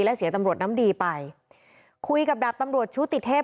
และเสียตำรวจน้ำดีไปคุยกับดาบตำรวจชุติเทพ